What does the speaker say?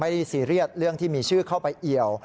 ซีเรียสเรื่องที่มีชื่อเข้าไปเอี่ยว